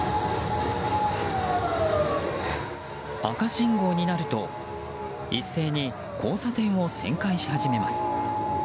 赤信号になると一斉に交差点を旋回し始めます。